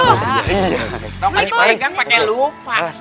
pakai koregang pakai lupa